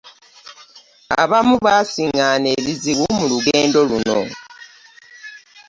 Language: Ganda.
Abamu bassingaana ebizibu mu lugendo luno .